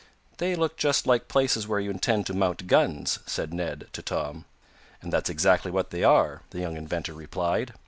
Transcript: "They look just like places where you intend to mount guns," said Ned to Tom. "And that's exactly what they are," the young inventor replied.